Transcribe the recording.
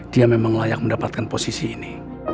dia memang layak mendapatkan posisi ini